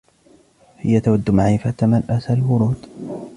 هي تودّ معرفة من أرسل الورود.